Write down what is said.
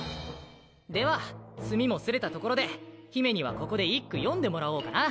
では墨もすれたところで姫にはここで一句詠んで貰おうかな。